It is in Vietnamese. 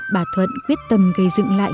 bà thuận quyết tâm gây dựng lại